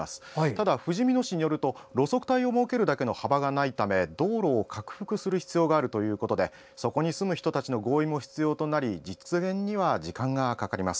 ただ、ふじみ野市によると路側帯を設けるだけの幅がないためそこに住む人たちの合意も必要となり実現には時間がかかります。